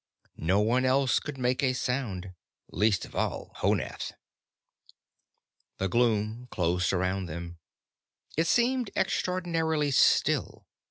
No one else could make a sound, least of Honath. The gloom closed around them. It seemed extraordinarily still.